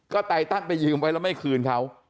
ก็ไตตันไปยืมไว้แล้วไม่คืนเขา